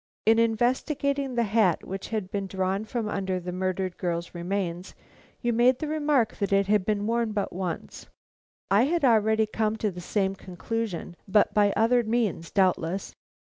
In investigating the hat which had been drawn from under the murdered girl's remains, you made the remark that it had been worn but once. I had already come to the same conclusion, but by other means, doubtless.